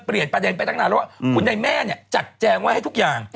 ประเด็นไปตั้งนานแล้วว่าคุณในแม่เนี่ยจัดแจงไว้ให้ทุกอย่าง